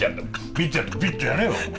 ピッとやってピッとやれよ。